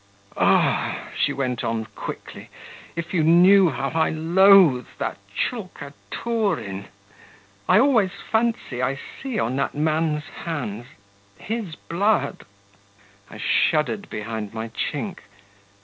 'Ah,' she went on quickly, 'if you knew how I loathe that Tchulkaturin ... I always fancy I see on that man's hands ... his blood.' (I shuddered behind my chink.)